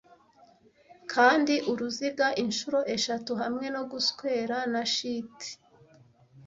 Kandi uruziga inshuro eshatu, hamwe no guswera, na shits,